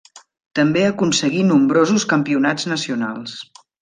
També aconseguí nombrosos campionats nacionals.